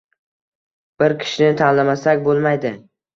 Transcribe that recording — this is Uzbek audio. Bir kishini tanlamasak boʻlmaydi.